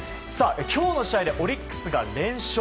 今日の試合でオリックスが連勝。